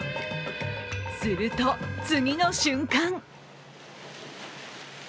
すると、次の瞬間